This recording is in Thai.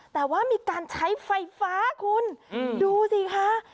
แต่ว่ามีการใช้ไฟฟ้าคุณดูสิคะ